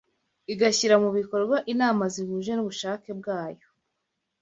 igashyira mu bikorwa inama zihuje n’ubushake bwayo.